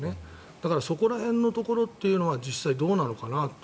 だから、そこら辺のところは実際どうなのかなと。